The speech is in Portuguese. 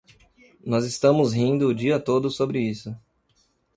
Nós estamos rindo o dia todo sobre isso.